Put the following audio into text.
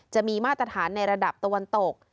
จะมีมาตรฐานในระดับตะวันตก